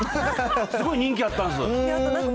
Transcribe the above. すごい人気あったんです。